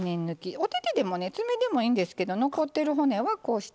お手々でも爪でもいいんですけど残ってる骨はこうして。